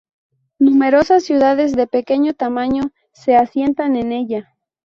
Numerosas ciudades de pequeño tamaño se asientan en ella.